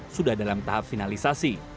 sudah dalam tahap finalisasi